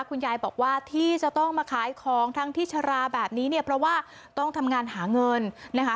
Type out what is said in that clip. คุณยายบอกว่าที่จะต้องมาขายของทั้งที่ชราแบบนี้เนี่ยเพราะว่าต้องทำงานหาเงินนะคะ